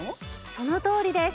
そのとおりです。